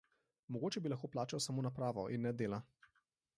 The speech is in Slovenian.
Mogoče bi lahko plačal samo napravo in ne dela?